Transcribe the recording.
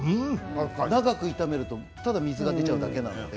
長く炒めるとただ水が出ちゃうだけなので。